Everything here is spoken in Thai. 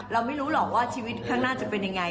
เราไม่รู้หรอกว่าชีวิตข้างหน้าจะเป็นยังไง